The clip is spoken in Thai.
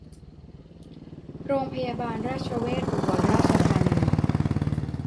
โรงพยาบาลราชเวชอุบลราชธานี